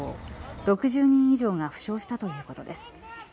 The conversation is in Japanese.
６０人以上が負傷したということです。